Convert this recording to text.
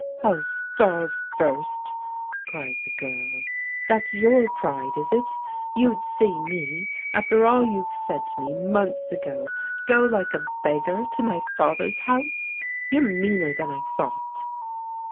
" I'll starve first !" cried the girl. " That's your pride, is it? You'd see me, after all you've said to me months ago, go like a beggar to my father's house! You're meaner than I thought."